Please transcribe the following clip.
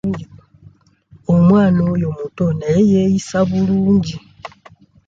Omwana oyo muto naye yeeyisa bulungi.